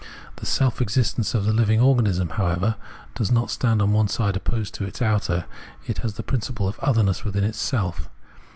The self existence of the living organism, however, does not stand on one side opposed to its outer, it has the principle of otherness within itself.